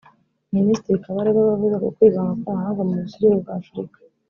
Minisitiri Kabarebe wavuze k’ukwivanga kw’amahanga mu busugire bw’Afurika